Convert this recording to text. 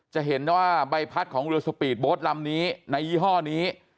จะเห็นว่าใบพัดของเรือสปีดโบ๊ทลำนี้ในยี่ห้อนี้